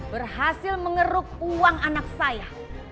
berhasil mengeruk uang anak saya